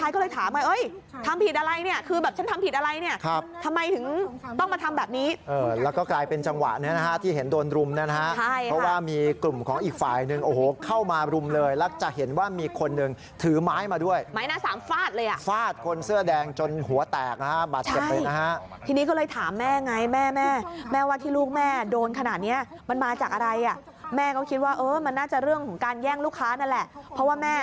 ก็เลยถามว่าทำผิดอะไรเนี่ยคือแบบฉันทำผิดอะไรเนี่ยทำไมถึงต้องมาทำแบบนี้แล้วก็กลายเป็นจังหวะที่เห็นโดนรุมนะฮะเพราะว่ามีกลุ่มของอีกฝ่ายนึงเข้ามารุมเลยแล้วจะเห็นว่ามีคนหนึ่งถือไม้มาด้วยไม้หน้าสามฟาดเลยฟาดคนเสื้อแดงจนหัวแตกบัตรเก็บไปนะฮะทีนี้ก็เลยถามแม่ไงแม่ว่าที่ลูกแม่โดนขนาดนี้ม